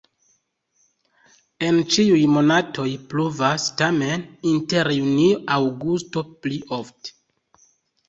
En ĉiuj monatoj pluvas, tamen inter junio-aŭgusto pli ofte.